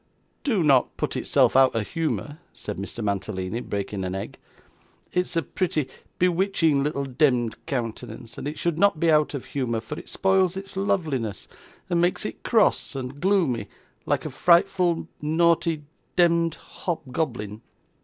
'Do not put itself out of humour,' said Mr. Mantalini, breaking an egg. 'It is a pretty, bewitching little demd countenance, and it should not be out of humour, for it spoils its loveliness, and makes it cross and gloomy like a frightful, naughty, demd hobgoblin.